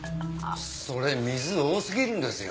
それ水多すぎるんですよ。